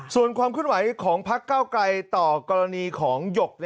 ส่วนความขึ้นไหวของพักเก้าไกลต่อกรณีของหยก